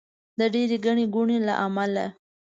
د ډېرې ګڼې ګوڼې له امله.